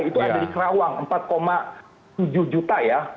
itu ada di kerawang empat tujuh juta ya